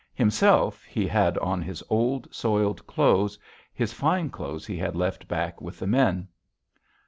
Himself, he had on his old, soiled clothes; his fine clothes he had left back with the men.